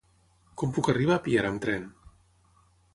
Com puc arribar a Piera amb tren?